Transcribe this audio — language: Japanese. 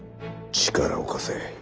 力を貸せ。